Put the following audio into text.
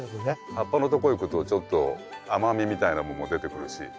葉っぱのとこいくとちょっと甘みみたいなもんも出てくるし。